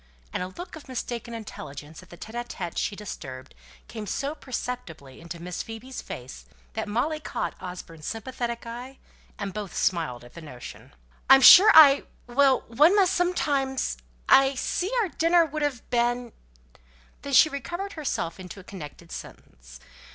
and a look of mistaken intelligence at the tÉte ł tÉte she had disturbed came so perceptibly over Miss Phoebe's face that Molly caught Osborne's sympathetic eye, and both smiled at the notion. "I'm sure I well! one must sometimes I see our dinner would have been " Then she recovered herself into a connected sentence.